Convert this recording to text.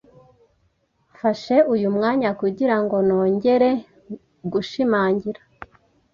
mfashe uyu mwanya kugira ngo nongere gushimangira